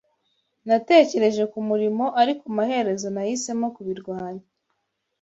Natekereje kumurimo ariko amaherezo nahisemo kubirwanya